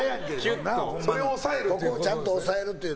ここをちゃんと押さえるという。